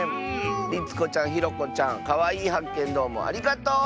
りつこちゃんひろこちゃんかわいいはっけんどうもありがとう！